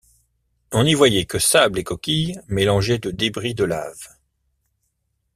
On n’y voyait que sable et coquilles, mélangés de débris de laves.